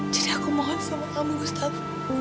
jadi aku mohon sama kamu gustaf